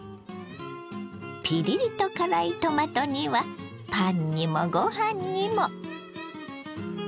ピリリと辛いトマト煮はパンにもご飯にも。